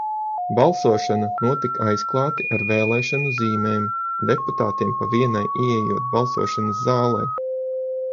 Balsošana notika aizklāti ar vēlēšanu zīmēm, deputātiem pa vienam ieejot balsošanas zālē.